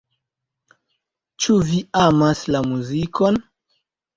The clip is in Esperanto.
Ĉu vi amas la muzikon?